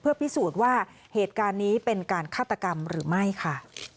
พิสูจน์ว่าเหตุการณ์นี้เป็นการฆาตกรรมหรือไม่ค่ะ